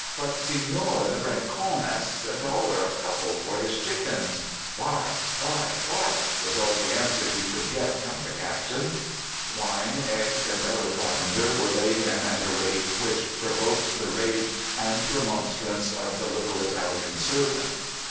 "But, signore, the Brencone asks a dollar a couple for his chickens!" "Buy, buy, buy!" was all the answer he could get from the Captain. Wine, eggs, and other provender were laid in at a rate which provoked the rage and remonstrance of the little Italian servant.